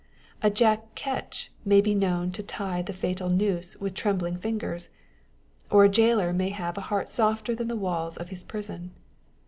A Jack Ketch may be known to tie the fatal noose with trembling fingers ; or a jailor may have a heart softer than the walls of his prison.